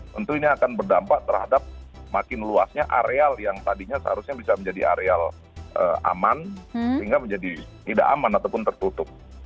tentu ini akan berdampak terhadap makin luasnya areal yang tadinya seharusnya bisa menjadi areal aman sehingga menjadi tidak aman ataupun tertutup